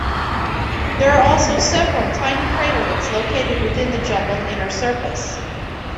There are also several tiny craterlets located within the jumbled inner surface.